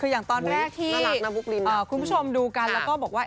อย่างตอนแรกที่คุณผู้ชมดูกันแล้วก็บอกว่า